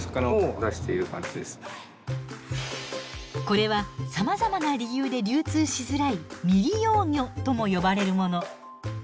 これはさまざまな理由で流通しづらい未利用魚とも呼ばれるもの。